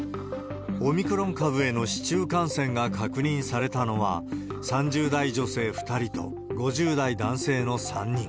オミクロン株への市中感染が確認されたのは、３０代女性２人と５０代男性の３人。